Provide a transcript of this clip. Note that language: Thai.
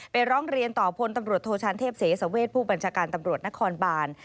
ร้องเรียนต่อพลตำรวจโทชานเทพเสสเวชผู้บัญชาการตำรวจนครบาน